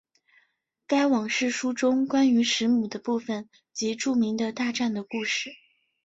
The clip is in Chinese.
该往世书中关于时母的部分即著名的大战的故事。